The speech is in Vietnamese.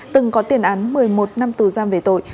từng có tiền án một mươi một năm tù giam về tội